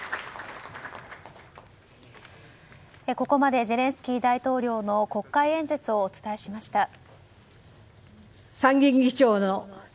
ここまでゼレンスキー大統領の国会演説をお伝えしました。